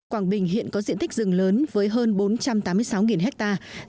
quảng bình hiện có diện tích rừng lớn với hơn bốn trăm tám mươi sáu hectare